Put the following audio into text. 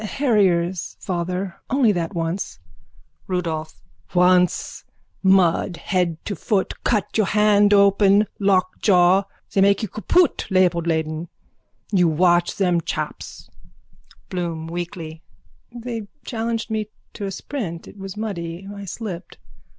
_ Harriers, father. Only that once. RUDOLPH: Once! Mud head to foot. Cut your hand open. Lockjaw. They make you kaputt, Leopoldleben. You watch them chaps. BLOOM: (Weakly.) They challenged me to a sprint. It was muddy. I slipped.